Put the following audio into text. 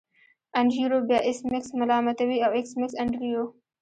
انډریو به ایس میکس ملامتوي او ایس میکس انډریو